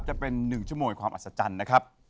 จะเป็น๑ชั่วโมงความอัศจรรย์นะครับ